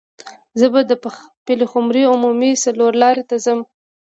زه به د پلخمري عمومي څلور لارې ته ځم.